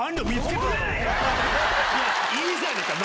いいじゃねえか！